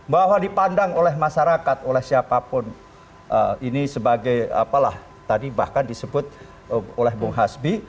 bahwa dipandang oleh masyarakat oleh siapapun ini sebagai apalah tadi bahkan disebut oleh bung hasbi